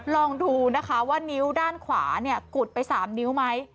ลองดูนะคะว่านิ้วด้านขวากุดไป๓นิ้วไหม